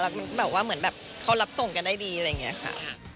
มันแบบว่าเหมือนแบบเขารับส่งกันได้ดีอะไรอย่างนี้ค่ะ